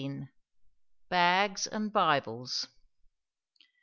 BAGS AND BIBLES.